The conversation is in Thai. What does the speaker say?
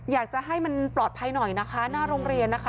อยากจะให้มันปลอดภัยหน่อยนะคะหน้าโรงเรียนนะคะ